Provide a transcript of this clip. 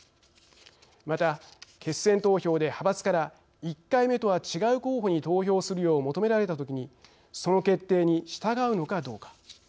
また、決選投票で派閥から１回目とは違う候補に投票するよう求められたときにその決定に従うのかどうか。